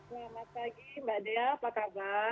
selamat pagi mbak dea apa kabar